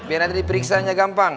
biar nanti diperiksanya gampang